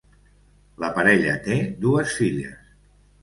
La parella té dues filles.